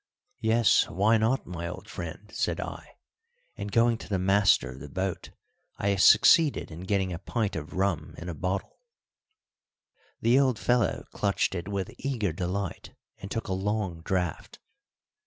"Yes, why not, my old friend," said I, and, going to the master of the boat, I succeeded in getting a pint of rum in a bottle. The old fellow clutched it with eager delight and took a long draught.